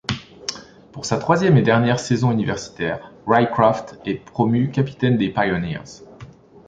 Pour sa troisième et dernière saison universitaire, Rycroft est promu capitaine des Pioneers.